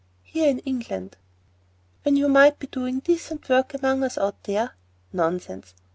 "Here, in England." "When you might be doing decent work among us out there? Nonsense!